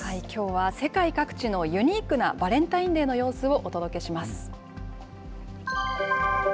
きょうは世界各地のユニークなバレンタインデーの様子をお届けします。